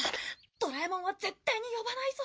ドラえもんは絶対に呼ばないぞ。